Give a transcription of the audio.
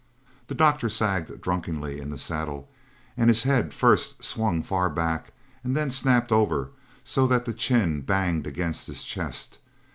The doctor sagged drunkenly in the saddle, and his head first swung far back, and then snapped over so that the chin banged against his chest.